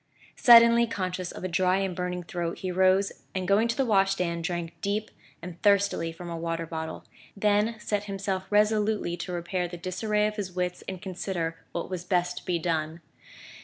Suddenly conscious of a dry and burning throat, he rose and going to the washstand drank deep and thirstily from a water bottle; then set himself resolutely to repair the disarray of his wits and consider what was best to be done.